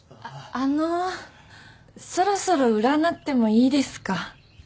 あっあのそろそろ占ってもいいですか？